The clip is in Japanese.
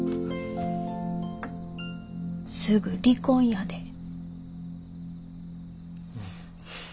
すぐ離婚やで。